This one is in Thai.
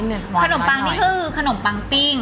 ขนมปังนี่ก็คือขนมปังปิ้ง